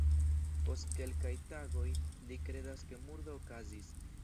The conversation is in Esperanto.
Post kelkaj tagoj, li kredas ke murdo okazis.